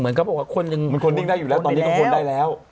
เหมือนเขาบอกว่าคนหนึ่งโคนนิ่งได้อยู่แล้วตอนนี้ก็โคนนิ่งได้แล้ว